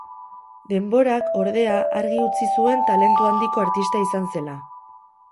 Denborak, ordea, argi utzi zuen talentu handiko artista izan zela.